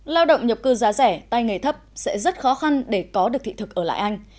lao động nhập cư giá rẻ tay nghề thấp sẽ rất khó khăn để có được thị thực ở lại anh